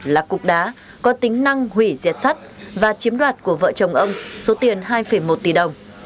là cục đá có tính năng hủy diệt sắt và chiếm đoạt của vợ chồng ông số tiền hai một tỷ đồng